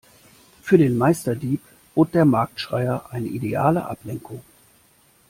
Für den Meisterdieb bot der Marktschreier eine ideale Ablenkung.